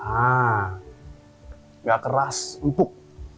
nah gak keras empuk